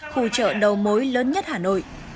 khu chợ đầu mối lớn nhất hà nội